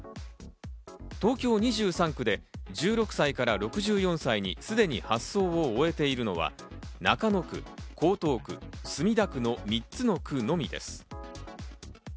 東京２３区で１６歳から６４歳にすでに発送を終えているのは中野区、江東区、墨田区の３つの区のみです。